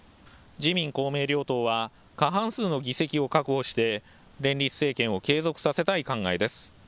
自民公明両党は過半数の議席を確保して連立政権を継続させたい考えです。